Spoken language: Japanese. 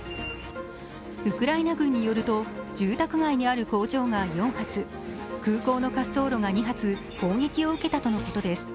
ウクライナ軍によると住宅街にある工場が４発、空港の滑走路が２発、攻撃を受けたとのことです。